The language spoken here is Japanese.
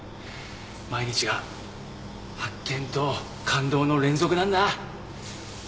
毎日が発見と感動の連続なんだ。